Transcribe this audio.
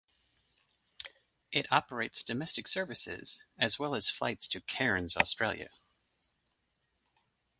It operates domestic services, as well as flights to Cairns, Australia.